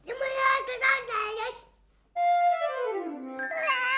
うわ！